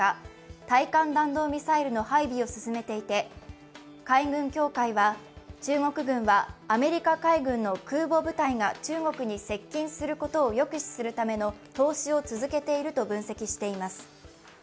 対艦弾道ミサイルの配備を進めていて、海軍協会は中国軍はアメリカ海軍の空母部隊が中国に接近することを抑止するための投資を続けていると分析しています。